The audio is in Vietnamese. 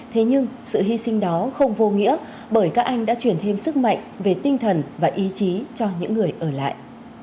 thế nhưng sự hy sinh đó không vô nghĩa bởi các anh đã chuyển thêm sức mạnh về tinh thần và ý chí cho những người ở lại